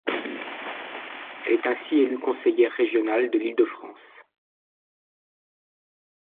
Elle est ainsi élue conseillère régionale de l'Île-de-France.